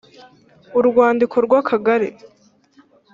urwandiko rw akagari